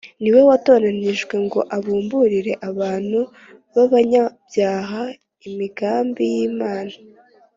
ni we watoranijwe ngo abumburire abantu b’abanyabyaha imigambi y’Imana